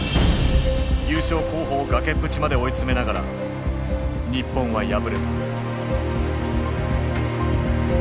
優勝候補を崖っぷちまで追い詰めながら日本は敗れた。